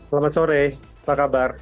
selamat sore apa kabar